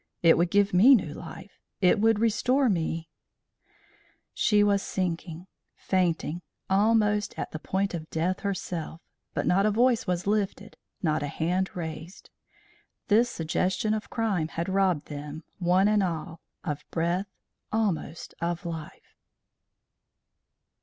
It would give me new life. It would restore me " She was sinking, fainting, almost at the point of death herself, but not a voice was lifted, not a hand raised. This suggestion of crime had robbed them, one and all, of breath, almost of life.